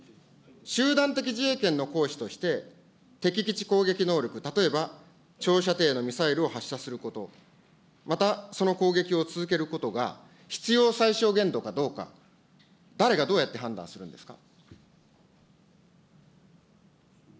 集団的自衛権の行使として、敵基地攻撃能力、例えば、長射程のミサイルを発射すること、またその攻撃を続けることが必要最小限度かどうか、誰がどうやって判断するんですか。